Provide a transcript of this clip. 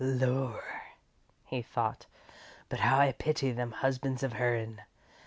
"Lor'," he thought, "but how I pity them husbands of her'n.